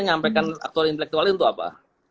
nyampaikan aktual intelektual itu apa